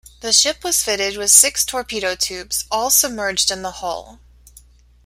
The ship was fitted with six torpedo tubes, all submerged in the hull.